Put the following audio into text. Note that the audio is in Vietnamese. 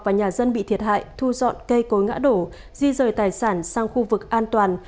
và nhà dân bị thiệt hại thu dọn cây cối ngã đổ di rời tài sản sang khu vực an toàn